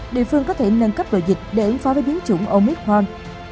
địa phương có thể nâng cấp đồ dịch để ứng phó với biến chủng ôn biết khoan